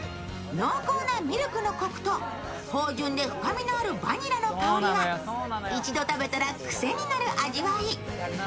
濃厚なミルクのコクと芳じゅんで深みのあるバニラの香りが一度食べたらクセになる味わい。